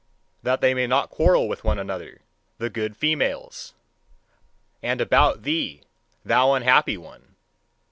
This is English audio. That they may not quarrel with one another, the good females! And about thee, thou unhappy one!